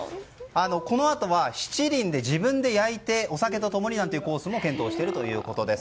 このあとは、七輪で自分で焼いてお酒と共になんていうコースも検討しているということです。